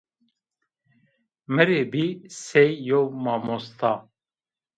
Mi rê bî sey yew mamosta